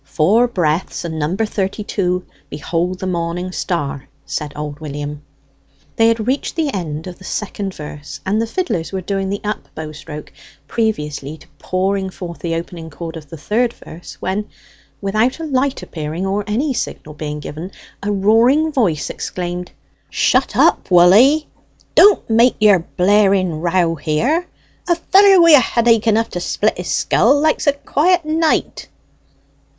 "Four breaths, and number thirty two, 'Behold the Morning Star,'" said old William. They had reached the end of the second verse, and the fiddlers were doing the up bow stroke previously to pouring forth the opening chord of the third verse, when, without a light appearing or any signal being given, a roaring voice exclaimed "Shut up, woll 'ee! Don't make your blaring row here! A feller wi' a headache enough to split his skull likes a quiet night!"